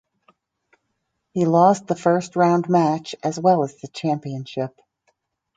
He lost the first round match as well as the championship.